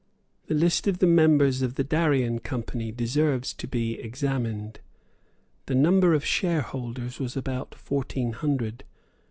The list of the members of the Darien Company deserves to be examined. The number of shareholders was about fourteen hundred.